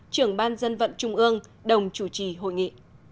trưởng ban dân vận trung ương đồng chủ trì hội nghị